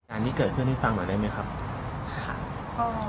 อันนี้เกิดขึ้นคุณฟังมาได้มั้ยครับ